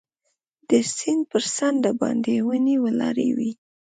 د سیند پر څنډه باندې ونې ولاړې وې.